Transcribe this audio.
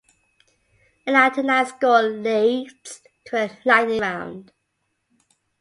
A nine-to-nine score leads to a lightning round.